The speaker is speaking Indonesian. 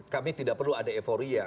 kami tidak perlu ada euforia